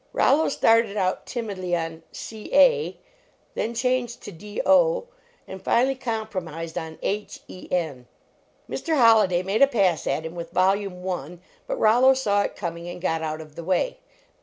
" Rollo started out timidly on c a then changed to d o, and finally compromised on h e n. Mr. Holliday made a pass at him with Vol ume I, but Rollo saw it coming and got out of the way.